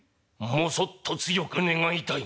「もそっと強く願いたい」。